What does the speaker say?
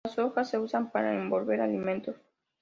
Las hojas se usan para envolver alimentos.